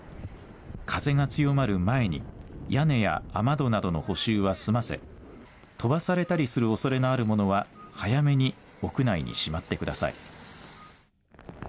風が強まる前に屋根や雨戸などの補修は済ませ、飛ばされたりするおそれのあるものは早めに屋内にしまってください。